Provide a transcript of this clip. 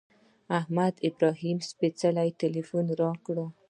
محمد ابراهیم سپېڅلي تیلفون را وکړ.